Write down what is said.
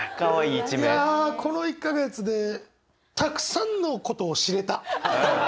いやこの１か月でたくさんのことを知れた！